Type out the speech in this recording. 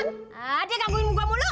pokoknya burung cepi harus ngomong